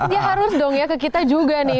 dia harus dong ya ke kita juga nih